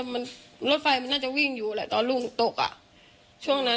ตกลงไปจากรถไฟได้ยังไงสอบถามแล้วแต่ลูกชายก็ยังไง